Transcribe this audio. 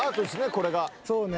これが。